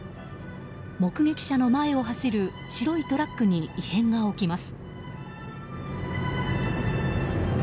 目撃者の前を走る白いトラックに異変が起きます。